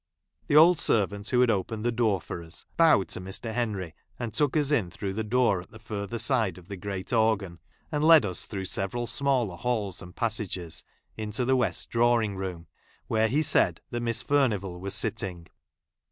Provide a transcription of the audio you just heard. The old servant'^who had opened the door for ns bowed to Mr. Henry, and took us in through the door at the further side of the ! great organ, and led us through several . smaller ' halls aud passages into the west |> dr!r,ving room, where he said that Miss Fur Ij nivall was sitting.